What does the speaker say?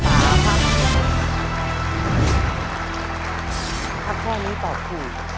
ถ้าข้อนี้ตอบถูก